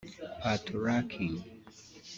Patoranking